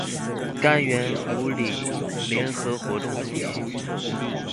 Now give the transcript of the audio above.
柑園五里聯合活動中心